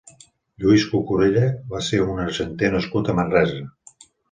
Lluís Cucurella va ser un argenter nascut a Manresa.